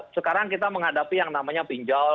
sekarang kita menghadapi yang namanya pinjol